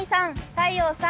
太陽さん